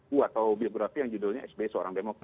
kuat atau biografi yang judulnya sby seorang demokrat